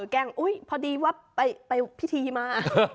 แกล้งอุ๊ยพอดีว่าไปพิธีมา